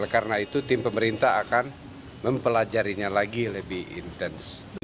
karena itu tim pemerintah akan mempelajarinya lagi lebih intens